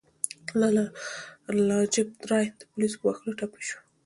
لالا لاجپت رای د پولیسو په وهلو ټپي شو.